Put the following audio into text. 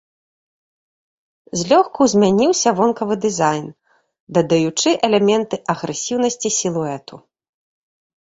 Злёгку змяніўся вонкавы дызайн, дадаючы элементы агрэсіўнасць сілуэту.